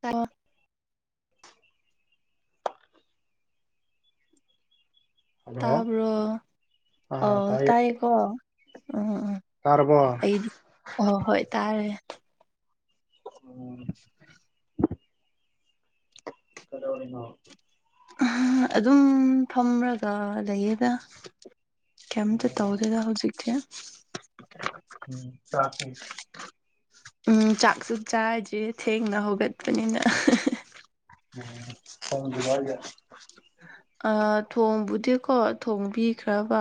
ꯇ [unintelligible] [inaudible] ꯍꯜꯂꯣ ꯇꯥꯕ꯭ꯔꯣ ꯑ ꯑꯣ ꯇꯥꯏꯌꯦ ꯇꯥꯏꯀꯣ ꯎꯝ ꯎꯝ ꯇꯥꯔꯕꯣ ꯑꯩꯗꯤ ꯍ ꯍꯣꯏ ꯇꯥꯔꯦ ꯑꯣ [unintelligible] [inaudible] ꯀꯗ ꯑꯣꯏꯅꯣ ꯑꯗꯨꯝ ꯐꯝꯂꯒ ꯂꯩꯌꯦꯗ ꯀꯝꯇ ꯇꯧꯗꯗ ꯍꯧꯖꯤꯛꯇꯦ ꯎꯝ ꯆ ꯐꯩ ꯎꯝ ꯆꯥꯛꯁꯨ ꯆꯥꯔꯤꯁꯦ ꯊꯦꯡꯅ ꯍꯧꯒꯠꯄꯅꯤꯅ ꯎꯝ ꯐ ꯒꯔꯒ ꯑ ꯊꯣꯡꯕꯨꯗꯤꯀꯣ ꯊꯣꯡꯕꯤꯈ꯭ꯔꯕ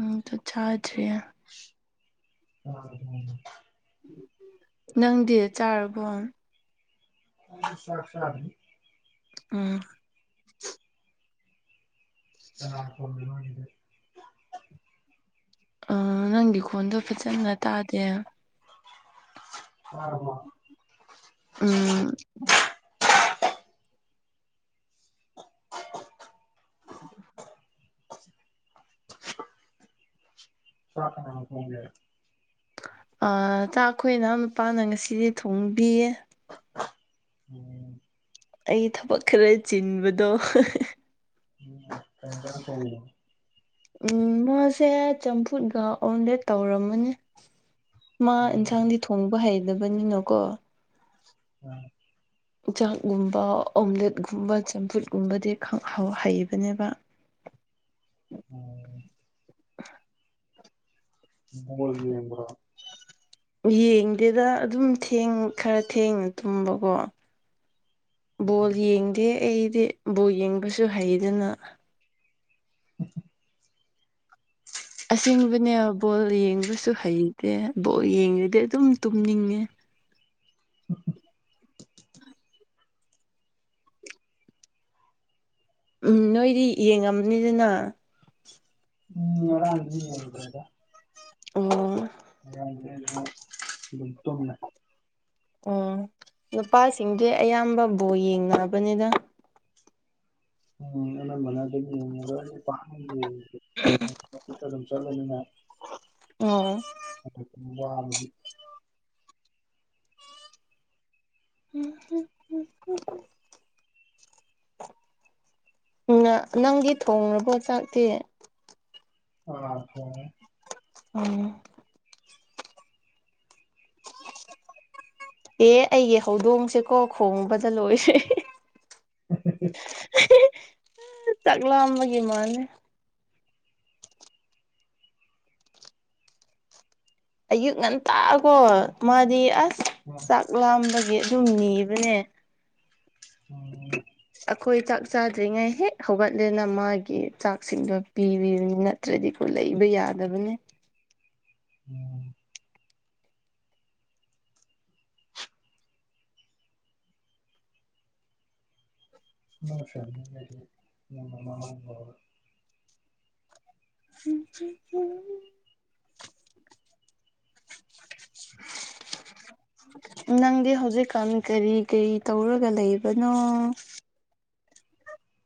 ꯎꯝ ꯆꯥꯖ ꯑ [unintelligible] [inaudible] ꯅꯪꯗꯤ ꯆꯥꯔꯕꯣ ꯑ ꯁ ꯁꯥ ꯑꯗꯨꯅꯤ ꯎꯝ ꯑ ꯂ ꯐꯣ ꯑꯣꯏꯦ [unintelligible] [inaudible] ꯑꯥ ꯅꯪꯗꯤ ꯈꯣꯟꯗꯣ ꯐꯖꯅ ꯇꯥꯗꯦ ꯑꯃ ꯎꯝ ꯑ ꯑ ꯍꯒ [inaudible] [inaudible] ꯥꯛ ꯑꯩꯈꯣꯏꯅ ꯅꯨꯄꯥꯅ ꯉꯁꯤꯗꯤ ꯊꯣꯡꯕꯤꯌꯦ ꯎꯝ [inaudible] ꯑꯩ ꯊꯕꯛ ꯈꯔ ꯆꯤꯟꯕꯗꯣ ꯎꯝ ꯀꯥꯏ ꯇꯔ ꯀ ꯎꯝ ꯃꯥꯁꯦ ꯆꯝꯐꯨꯠꯒ ꯑꯣꯟꯗꯦ ꯇꯧꯔꯝꯃꯅꯤ ꯃꯥ ꯎꯝ ꯏꯟꯁꯥꯡꯗꯤ ꯊꯣꯡꯕ ꯍꯩꯗꯕꯅꯤꯅꯀꯣ ꯎꯝ [inaudible] ꯆꯥꯛꯒꯨꯝꯕ ꯑꯣꯝꯂꯦꯠꯀꯨꯝꯕ ꯆꯝꯐꯨꯠꯀꯨꯝꯕꯗꯤ ꯍꯩꯕꯅꯦꯕ [unintelligible] [inaudible] ꯑꯣꯝ [inaudible] [unintelligible] [inaudible] ꯣꯔꯒꯤꯕ꯭ꯔ [unintelligible] [inaudible] ꯌꯦꯡꯗꯦꯗ ꯑꯗꯨꯝꯦꯡ ꯈꯔ ꯊꯦꯡꯅ ꯇꯨꯝꯕꯀꯣ ꯕꯣꯜ ꯎꯝ ꯌꯦꯡꯗꯦ ꯑꯩꯗꯤ ꯕꯣꯜ ꯌꯦꯡꯕꯁꯨ ꯍꯩꯗꯅ ꯎꯝ ꯑꯁꯦꯡꯕꯅꯦ ꯕꯣꯜ ꯌꯦꯡꯕꯁꯨ ꯍꯩꯇꯦ ꯕꯣꯜ ꯌꯦꯡꯉꯗꯤ ꯑꯗꯨꯝ ꯇꯨꯝꯅꯤꯡꯉꯦ ꯑꯣꯣꯏ ꯎꯝ ꯅꯣꯏꯗꯤ ꯌꯦꯡꯉꯝꯅꯤꯗꯅ ꯎꯝ ꯌꯥꯔ꯭ꯔꯦꯗ ꯑꯣꯝ ꯑꯗꯨꯝ ꯇꯨꯝꯃꯦ ꯑꯣ ꯅꯨꯄꯥꯁꯤꯡꯗꯤ ꯑꯌꯥꯝꯕꯕꯨ ꯌꯦꯡꯉꯕꯅꯤꯗ ꯎꯝ ꯑ ꯃꯅꯥ ꯑꯗꯨꯝ ꯆꯅꯤꯅ ꯎꯝ ꯃꯗꯤ ꯎꯝ ꯅꯪꯒꯤ ꯊꯣꯡꯔꯕ ꯆꯥꯛꯇꯤ ꯑ ꯐꯦ ꯎꯝ ꯎ ꯑꯦ ꯑꯩꯒꯤ ꯍꯧꯗꯣꯡꯁꯦꯀꯣ ꯈꯣꯡꯕꯗ ꯂꯣꯏꯔꯦ ꯎ ꯎ ꯇꯛꯂꯑꯝꯕꯒꯤ ꯃꯥꯅꯦꯦ ꯑꯌꯨꯛ ꯉꯟ ꯇꯥꯛꯑꯀꯣ ꯃꯥꯗꯤ ꯑꯁ ꯑꯗꯨ ꯆꯥꯛ ꯂꯥꯝꯕꯒꯤ ꯑꯗꯨꯝ ꯅꯤꯕꯅꯦ ꯑꯩꯈꯣꯏ ꯆꯥꯛ ꯆꯥꯗ꯭ꯔꯤꯉꯩ ꯍꯦꯛ ꯍꯧꯒꯠꯂꯦꯅ ꯃꯥꯒꯤ ꯆꯥꯛꯁꯤꯡꯗꯣ ꯄꯤ ꯅꯠꯇ꯭ꯔꯗꯤꯀꯣ ꯂꯩꯕ ꯌꯥꯗꯕꯅꯦ ꯑꯣ ꯁꯃꯥꯡ ꯎꯝ ꯎ ꯎꯝ [unintelligible] [inaudible] ꯅꯪꯗꯤ ꯍꯧꯖꯤꯛꯀꯥꯟ ꯀꯔꯤ ꯀꯔꯤ ꯇꯧꯔꯒ ꯂꯩꯕꯅꯣ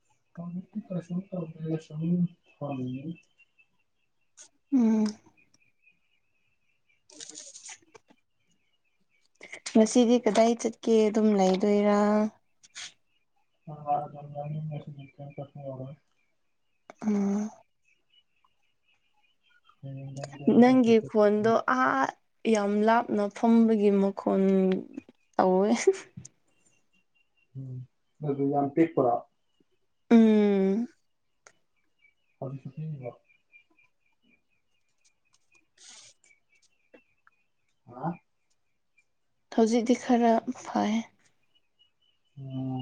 ꯀꯁꯗ ꯎꯝ ꯎ ꯉꯁꯤꯗꯤ ꯀꯗꯥꯏ ꯆꯠꯀꯦ ꯑꯗꯨꯝ ꯂꯩꯗꯣꯏꯔꯥ ꯑꯁꯧꯕ ꯎꯝ ꯅꯪꯣꯟꯗꯣ ꯑ ꯌꯥ ꯌꯥꯝ ꯂꯥꯞꯅ ꯐꯝꯕꯒꯤ ꯃꯈꯣꯜ ꯇꯧꯋꯦ ꯎꯝ ꯑꯗꯨ ꯌꯥꯝ ꯄꯤꯛꯄ꯭ꯔꯥ ꯎꯝ ꯍꯧꯖꯤꯁꯨꯤ ꯑ ꯍꯧꯖꯤꯛꯇꯤ ꯈꯔ ꯐꯩ ꯑꯣ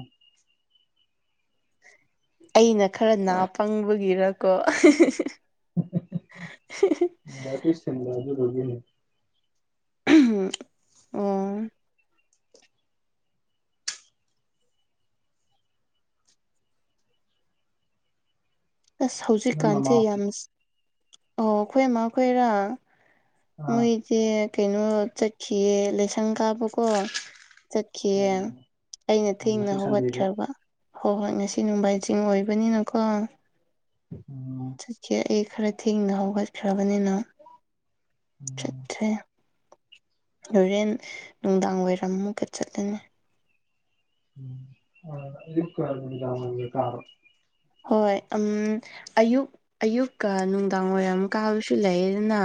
ꯑꯩꯅ ꯈꯔ ꯅꯥ ꯄꯪꯕꯒꯤꯔꯀꯣ ꯌꯥꯄꯤ ꯊꯟꯗ ꯑꯗꯨ ꯂꯒꯅꯤ ꯑꯣ ꯑꯁ ꯅꯣꯏ ꯃꯃꯥ ꯍꯧꯖꯤꯛꯀꯥꯟꯁꯦ ꯍꯣꯏ ꯌꯥꯝ ꯑꯣ ꯑꯩꯣꯏ ꯑꯃ ꯈꯣꯏꯔꯥ ꯑꯥ ꯃꯣꯏꯁꯦ ꯀꯩꯅꯣ ꯆꯠꯈꯤꯑꯁ ꯁꯪꯒꯥꯥꯕꯨꯀꯣ ꯆꯠꯈꯤꯌꯦ ꯑꯣ ꯑꯩꯅ ꯑꯣ ꯊꯦꯡꯅ ꯉꯁꯤ ꯁꯟꯗꯦꯁꯦ ꯍꯧꯒꯠꯈ꯭ꯔꯕ ꯍꯣꯏ ꯍꯣꯏ ꯉꯁꯤ ꯅꯣꯡꯕꯥꯏ ꯆꯤꯡ ꯑꯣꯏꯕꯅꯤꯅꯀꯣ ꯎꯝ ꯆꯠꯀꯦ ꯑꯩ ꯈꯔ ꯊꯦꯡꯅ ꯍꯧꯒꯠꯈ꯭ꯔꯕꯅꯤꯅ ꯎꯝ ꯆꯠꯁꯦ ꯍꯣꯔꯦꯟ ꯅꯨꯡꯗꯥꯡ ꯋꯥꯏꯔꯝ ꯑꯃꯨꯛꯀ ꯆꯠꯂꯅꯤ ꯝꯔ ꯀꯥꯔ ꯍꯣꯏ ꯎꯝ ꯑꯌꯨꯛ ꯑꯌꯨꯛꯀ ꯅꯨꯡꯗꯥꯡ ꯋꯥꯏꯔꯝ ꯀꯥꯕꯁꯨ ꯂꯩꯗꯅ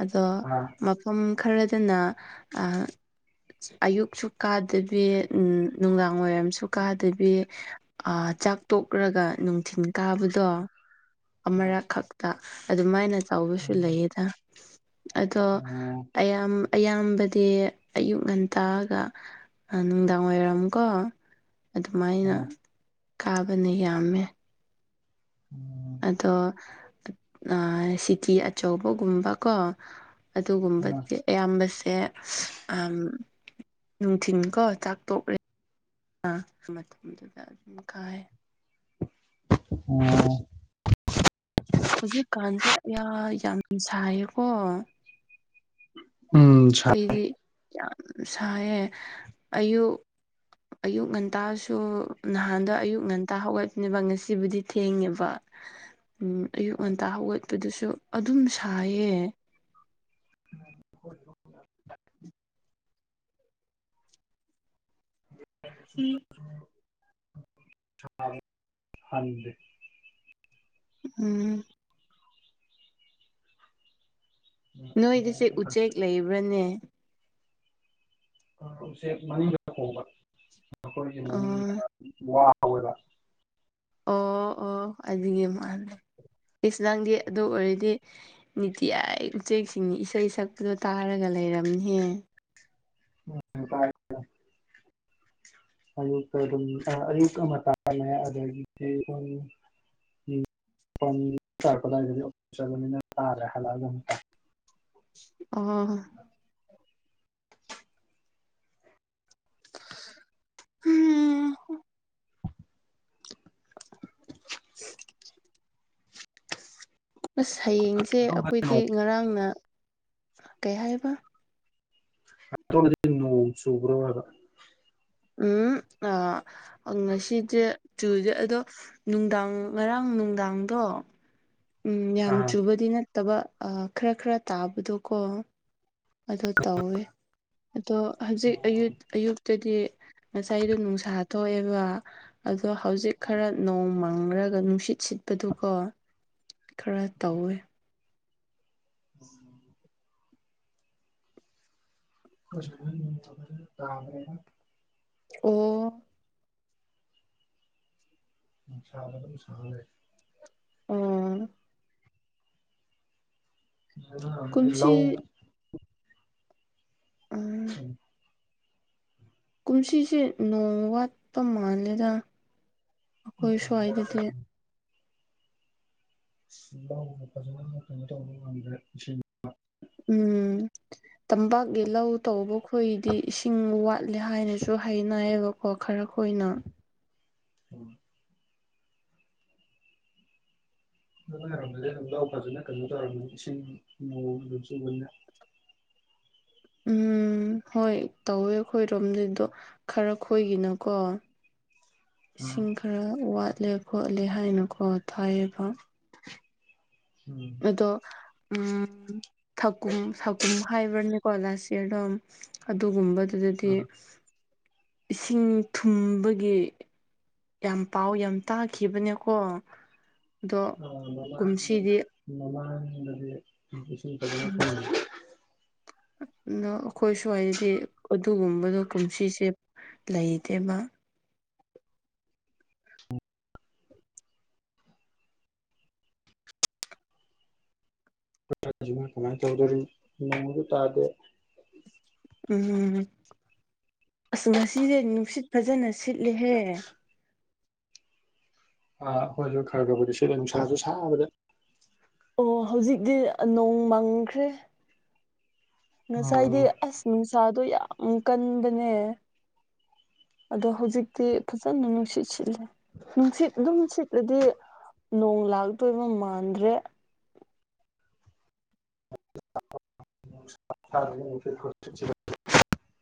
ꯑꯗꯣ ꯑꯥ ꯃꯐꯝ ꯈꯔꯗꯅ ꯑꯌꯨꯛꯁꯨ ꯀꯥꯗꯕꯤ ꯅꯨꯡꯗꯥꯡ ꯋꯥꯏꯔꯝꯁꯨ ꯀꯥꯗꯕꯤ ꯆꯥꯛ ꯇꯣꯛꯂꯒ ꯅꯨꯡꯊꯤꯤꯟ ꯀꯥꯕꯗꯣ ꯑꯥ ꯑꯃꯔꯛ ꯈꯛꯇ ꯑꯗꯨꯃꯥꯏꯅ ꯇꯧꯕꯁꯨ ꯎꯝ ꯂꯩꯌꯦꯗ ꯑꯗꯣ ꯑꯣ ꯑꯌꯥꯝ ꯑꯌꯥꯝꯕꯗꯤ ꯑꯌꯨꯛ ꯉꯟꯇꯥꯑꯒ ꯅꯨꯡꯗꯥꯡ ꯑꯣꯏꯔꯝꯀꯣ ꯑꯗꯨꯃꯥꯏꯅ ꯑꯥ ꯀꯥꯕꯅ ꯌꯥꯝꯃꯦ ꯎꯝ ꯑꯗꯣ ꯁꯤꯇꯤ ꯑꯆꯧꯕꯒꯨꯝꯕꯀꯣ ꯑꯗꯨꯒꯨꯝꯕꯗꯤ ꯑꯌꯥꯝꯕꯁꯦ ꯁꯦ ꯅꯨꯡꯊꯤꯤꯟꯀꯣ ꯆꯥꯛ ꯇꯣꯛꯂꯦ ꯑ ꯀꯥ ꯎꯝ ꯍꯧꯖꯤꯛꯀꯥꯟꯁꯦ ꯌꯥꯝ ꯁꯥꯏꯌꯦꯀꯣ ꯎꯝ ꯁ ꯑꯩꯗꯤ ꯌꯥꯝ ꯁꯥꯏꯌꯦꯦ ꯑꯌꯨꯛ ꯑꯌꯨꯛ ꯉꯟꯇꯥꯁꯨ ꯅꯍꯥꯟꯗ ꯑꯌꯨꯛ ꯉꯟꯇꯥ ꯍꯧꯒꯠꯄꯤꯕ ꯉꯁꯤꯕꯨꯗꯤ ꯊꯦꯡꯉꯦꯕ ꯎꯝ ꯑꯌꯨꯛ ꯉꯟꯇꯥ ꯍꯧꯒꯠꯄꯗꯨꯁꯨ ꯑꯗꯨꯝ ꯁꯥꯏꯌꯦ ꯎꯝ ꯍꯟꯗ ꯎꯝ ꯅꯣꯏꯗ ꯆꯦ ꯎꯆꯦꯛ ꯂꯩꯕ꯭ꯔꯅꯦ ꯎꯆꯦꯛ ꯃꯅꯤꯡꯗ ꯍꯣꯡꯕ ꯃꯈꯣꯏꯒꯤ ꯑ ꯃꯅꯤꯡ ꯇꯋꯣꯏꯗ ꯑꯣ ꯑꯣ ꯑꯖꯤꯤꯡ ꯃꯥꯜꯂ ꯑ ꯅꯪꯗꯤ ꯑꯗꯨ ꯑꯣꯏꯔꯗꯤ ꯅꯤꯇꯤꯌꯥꯏ ꯎꯆꯦꯛꯁꯤꯡꯅꯤ ꯏꯁꯩ ꯁꯛꯄꯗꯣ ꯇꯥꯔꯒ ꯂꯩꯔꯝꯅꯤ ꯍꯦ ꯎꯝꯔ ꯑꯌꯨꯛꯇ ꯑꯗꯨꯝ ꯑꯌꯨꯛꯛꯇ ꯑꯃ ꯇꯥ ꯑ ꯎꯝ ꯄꯗꯤꯤꯁꯅꯤꯅ ꯇꯥꯔꯦ ꯍꯂꯛꯑꯒꯨ ꯑ ꯎꯝ ꯍ ꯁꯌꯦꯡꯁꯦ ꯑꯃꯨꯛ ꯑꯩꯈꯣꯏꯗꯤ ꯉꯔꯥꯡꯅ ꯀꯩ ꯍꯥꯏꯕ ꯑ ꯅꯣꯡ ꯆꯨꯕ꯭ꯔꯗ ꯎꯝ ꯑ ꯉꯁꯤꯗꯤꯦ ꯆꯨꯗꯦ ꯑꯗꯣ ꯅꯨꯡꯗꯥꯡ ꯉꯔꯥꯡ ꯅꯨꯡꯗꯥꯡꯗꯣ ꯎꯝ ꯌꯥꯝ ꯑꯥ ꯆꯨꯕꯗꯤ ꯅꯠꯇꯕ ꯈꯔ ꯈꯔ ꯇꯥꯕꯗꯣ ꯀꯣ ꯑꯗꯨ ꯇꯧꯋꯦ ꯑꯗꯣ ꯍꯧꯖꯤꯛ ꯑꯌꯨ ꯑꯌꯨꯛ ꯑꯗꯨꯗꯤ ꯉꯁꯥꯏꯗꯣ ꯅꯨꯡꯁꯥ ꯊꯣꯛꯑꯦꯕ ꯑꯗꯣ ꯍꯧꯖꯤꯛ ꯈꯔ ꯅꯣꯡꯃ ꯐꯪꯈ꯭ꯔꯒ ꯅꯨꯡꯁꯤꯠ ꯁꯤꯠꯄꯗꯨꯀꯣ ꯈꯔ ꯇꯧꯋꯦ ꯎꯝ ꯍꯔꯦ ꯑꯣ ꯆꯗ ꯑꯗꯨꯝ ꯁꯅꯦ ꯑ ꯀꯨꯝꯁꯤ ꯂ ꯎꯝ ꯀꯨꯝꯁꯤꯁꯦ ꯅꯣꯡ ꯋꯥꯠꯄ ꯃꯥꯜꯂꯦꯗ ꯑꯩꯈꯣꯏ ꯁꯋꯥꯏꯗꯗꯤꯦ ꯁꯨ ꯐꯖꯅ ꯀꯩꯅ ꯇꯔꯥꯟ꯭ꯔꯦ ꯎꯝ ꯇꯝꯕꯛꯦꯂ ꯇꯕ ꯑꯩꯈꯣꯏꯗꯤ ꯏꯁꯤꯡ ꯋꯥꯠꯂꯦ ꯍꯥꯏꯅꯁꯨ ꯍꯥꯏꯅꯩꯌꯦꯕꯀꯣ ꯈꯔ ꯈꯣꯏꯅ ꯎꯝ ꯑꯗꯨ ꯂꯩꯔꯝꯒꯗ ꯂ ꯂꯥꯎ ꯐꯖꯅ ꯀꯩꯅꯣ ꯇꯧꯔꯝꯃꯦ ꯏꯁꯤꯡ ꯅꯣꯡ ꯑꯗꯨꯝ ꯆꯨꯕꯅꯦ ꯎꯝ ꯍꯣꯏ ꯇꯧꯋꯦ ꯑꯩꯣꯏꯔꯣꯝꯗꯗꯣ ꯈꯔ ꯈꯣꯏꯒꯤꯅꯀꯣ ꯑꯥ ꯏꯁꯤꯡ ꯈꯔ ꯋꯥꯠꯂꯦ ꯈꯣꯠꯂꯦ ꯍꯥꯏꯅꯀꯣ ꯊꯥꯏꯌꯦꯕ ꯎꯝ ꯑꯗꯣ ꯎꯝ ꯁꯀꯨꯝ ꯁꯥꯒꯨꯝ ꯍꯥꯏꯕ꯭ꯔꯅꯤꯀꯣ ꯂꯥꯁ ꯏꯌꯥꯔꯗꯣ ꯑꯗꯨꯒꯨꯝꯕꯗꯨꯗꯗꯤ ꯑꯥ ꯏꯁꯤꯡ ꯊꯨꯝꯕꯒꯤ ꯌꯥꯝ ꯄꯥꯎ ꯌꯥꯝ ꯇꯥꯈꯤꯕꯅꯦꯀꯣ ꯑꯗꯣ ꯑ ꯀꯨꯝꯁꯤꯗꯤ ꯃꯃ ꯃꯃ ꯎꯝ ꯐ ꯑꯗꯣ ꯑꯩꯈꯣꯏ ꯁ꯭ꯋꯥꯏꯗꯗꯤ ꯑꯗꯨꯒꯨꯝꯕꯗꯣ ꯀꯨꯝꯁꯤꯁꯦ ꯂꯩꯇꯦꯕ ꯔꯥꯃ ꯀꯃꯥꯏꯅ ꯇꯧꯗꯣꯔꯤ ꯅꯣꯡꯃꯁꯨ ꯇꯥꯗꯦ ꯎꯝ ꯎꯝ ꯑꯁ ꯉꯁꯤꯁꯦ ꯅꯨꯡꯁꯤꯠ ꯐꯖꯅ ꯁꯤꯠꯂꯦꯍꯦ ꯑꯥ ꯍꯣꯏꯁꯨ ꯈꯔ ꯈꯔꯕꯨꯗꯤ ꯁꯤꯠꯂ ꯅꯨꯡꯁꯥꯁꯨ ꯁꯥꯕꯗ ꯑꯣ ꯍꯧꯖꯤꯛꯇꯤ ꯅꯣꯡ ꯃꯥꯡꯈ꯭ꯔꯦ ꯉꯁꯥꯏꯗꯤ ꯑꯥ ꯑꯁꯃꯁꯥꯗ ꯌꯥ ꯎꯝ ꯀꯟꯕꯅꯦ ꯑꯗꯣ ꯍꯧꯖꯤꯛꯇꯤ ꯐꯖꯅ ꯅꯨꯡꯁꯤꯠꯁꯤ ꯠꯂꯦ ꯅꯨꯡꯁꯤꯠ ꯑꯗꯨꯝ ꯁꯤꯠꯂꯗꯤ ꯅꯣꯡ ꯂꯥꯛꯇꯣꯏꯕ ꯃꯥꯟꯗ꯭ꯔꯦ ꯎꯆꯦꯗ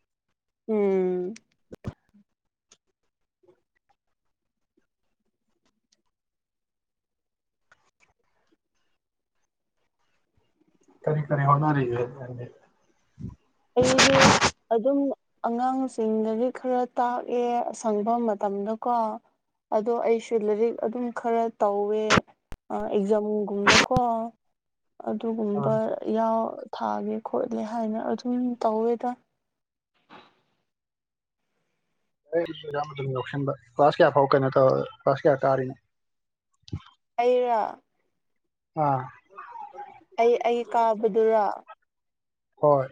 ꯎꯝ ꯈꯔꯤ ꯈꯔꯤ ꯍꯧꯅ ꯏꯗꯤ ꯑꯗꯨ ꯑꯗꯨꯝ ꯑꯉꯥꯡꯁꯤꯡꯗꯗꯤ ꯈꯔ ꯇꯥꯛꯑꯦ ꯑꯁꯪꯕ ꯃꯇꯝꯗꯀꯣ ꯑꯗꯣ ꯑꯩꯁꯨ ꯂꯥꯏꯔꯤꯛ ꯑꯗꯨꯝ ꯈꯔ ꯇꯧꯋꯦ ꯑ ꯑꯦꯛꯖꯥꯝꯒꯨꯝꯕ ꯀꯣ ꯑꯥ ꯑꯗꯨꯒꯨꯝꯕ ꯌꯥ ꯊꯥꯒꯦ ꯈꯣꯠꯂꯦ ꯍꯥꯏꯅ ꯎꯝ ꯇꯧꯦꯗ ꯌꯁ ꯐꯁ ꯀꯌꯥ ꯐꯥꯎ ꯀꯅꯦ ꯐꯁ ꯀꯌꯥ ꯀꯥꯔꯤꯅꯦ ꯥꯏꯔ ꯑꯥ ꯑꯩ ꯑꯩ ꯀꯥꯕꯗꯨꯔ ꯍꯣꯏ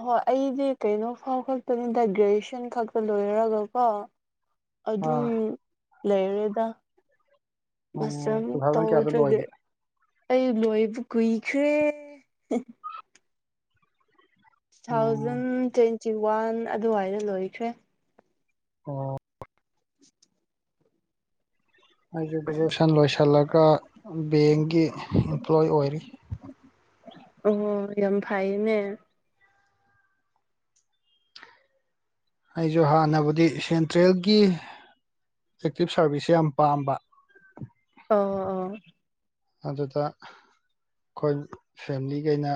ꯍꯣꯏ ꯑꯩꯗꯤ ꯀꯩꯅꯣ ꯐꯥꯎ ꯈꯛꯇꯅꯤꯗ ꯒ꯭ꯔꯦꯖꯨꯦꯁꯟ ꯈꯛꯇ ꯂꯣꯏꯔꯒꯀꯣ ꯑꯗꯨꯝ ꯑꯥ ꯂꯩꯔꯦꯗ ꯎꯝ ꯃꯁꯝ ꯇꯨ ꯊꯥꯎꯖꯟ ꯀꯌꯥꯗ ꯇꯧꯖꯒꯦ ꯂꯣꯏꯒꯦ ꯑꯩ ꯂꯣꯏꯕꯨ ꯀꯨꯏꯈ꯭ꯔꯦ two um thousand twenty one ꯑꯗꯨꯋꯥꯏꯗ ꯂꯣꯏꯈ꯭ꯔꯦ ꯑꯣ ꯑꯩꯁꯨꯦ ꯒ꯭ꯔꯦꯖꯨꯑꯦꯁꯟ ꯂꯣꯏꯁꯤꯜꯂꯒ ꯕꯦꯡꯒꯤ ꯏꯝꯄ꯭ꯂꯣꯏ ꯑꯣꯏꯔꯤ ꯑꯣ ꯌꯥꯝ ꯐꯩꯌꯦꯅꯦ ꯑꯩꯁꯨ ꯍꯥꯟꯅꯕꯨꯗꯤ ꯁꯦꯟꯇ꯭ꯔꯦꯜꯒꯤ ꯑꯦꯛꯇꯤꯚ ꯁꯥꯔꯚꯤꯁꯁꯦ ꯌꯥꯝ ꯄꯥꯝꯕ ꯑꯣ ꯑ ꯑꯗꯨꯗ ꯑꯩꯈꯣꯏ ꯐꯦꯂꯤꯈꯩꯅ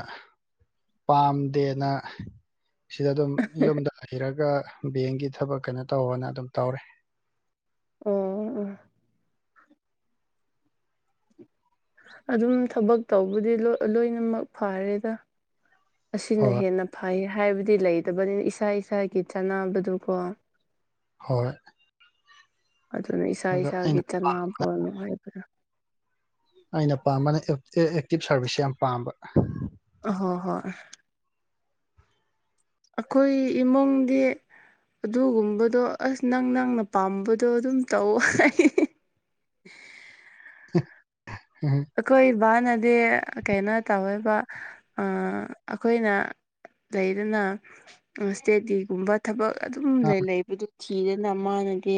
ꯄꯥꯝꯗꯦꯅ ꯁꯤꯗ ꯑꯗꯨꯝ ꯌꯨꯝꯗ ꯍꯩꯔꯒ ꯕꯦꯡꯒꯤ ꯊꯕꯛ ꯀꯩꯅꯣ ꯇꯧꯅ ꯑꯗꯨꯝ ꯇꯧꯔꯦ ꯑꯣ ꯑꯗꯨꯝ ꯊꯕꯛ ꯇꯧꯕꯗꯤ ꯂꯣꯏꯅꯃꯛ ꯐꯔꯦꯗ ꯑꯁꯤꯅ ꯍꯣꯏ ꯍꯦꯟꯅ ꯐꯩ ꯍꯥꯏꯕꯗꯤ ꯂꯩꯇꯕꯅꯤꯅ ꯏꯁꯥ ꯏꯁꯥꯒꯤ ꯆꯥꯅꯕꯗꯨꯀꯣ ꯍꯣꯏ ꯑꯗꯨꯅ ꯏꯁꯥ ꯑꯗ ꯏꯁꯥꯒꯤ ꯑꯩꯅ ꯆꯅꯥꯕ ꯅꯨꯡꯉꯕ꯭ꯔꯥ ꯑꯩꯅ ꯄꯥꯝꯕꯅ ꯑꯦꯛꯇꯤꯚ ꯁꯥꯔꯚꯤꯁꯁꯦ ꯌꯥꯝ ꯄꯥꯝꯕ ꯑ ꯍꯣꯏ ꯑꯩꯈꯣꯏ ꯏꯃꯨꯡꯒꯤ ꯑꯗꯨꯒꯨꯝꯕꯗꯣ ꯑꯁ ꯅꯪ ꯅꯪꯅ ꯄꯥꯝꯕꯗꯣ ꯑꯗꯨꯝ ꯇꯧ ꯍꯥꯏ [unintelligible] ꯍ ꯑꯩꯈꯣꯏ ꯏꯕꯥꯅꯗꯤ ꯀꯩꯅꯣ ꯇꯧꯋꯦꯕ ꯑꯩꯈꯣꯏꯅ ꯂꯩꯗꯨꯅ ꯏꯁꯇꯗꯤꯒꯨꯝꯕ ꯊꯕꯛ ꯑꯗꯨꯝ ꯂꯩꯕꯗꯨ ꯊꯤꯗꯅ ꯃꯥꯅꯗꯤ